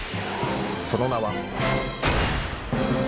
［その名は］